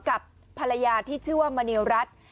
กับภรรยาที่ชื่อว่ามณีรัฐ